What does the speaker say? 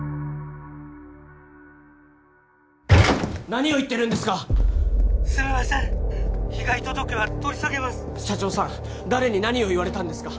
何を言ってるんですか☎すいません被害届は取り下げます社長さん誰に何を言われたんですか？